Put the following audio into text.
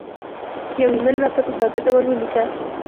یو ایمیل راته په ساده ډول ولیکه